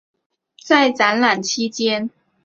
在展览期间。